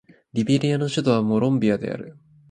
リベリアの首都はモンロビアである